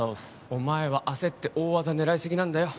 お前は焦って大技狙いすぎなんだよ